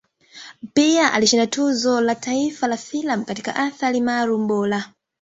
Pia alishinda Tuzo la Taifa la Filamu kwa Athari Maalum Bora.